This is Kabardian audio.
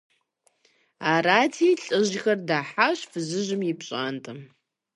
Арати, лӀыжьхэр дыхьащ фызыжьым и пщӀантӀэм.